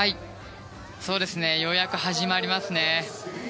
ようやく始まりますね。